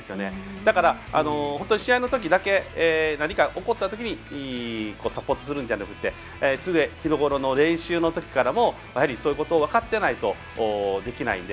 だから、試合のときだけ何か起こったときにサポートするんじゃなくて常日頃の練習のときからもそういうことを分かってないとできないので。